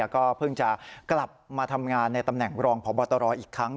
ก็เพิ่งจะกลับมาทำงานในตำแหน่งรองพบตรอีกครั้ง